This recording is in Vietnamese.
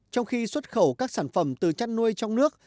trong khi xuất khẩu các sản phẩm từ chăn nuôi trong nước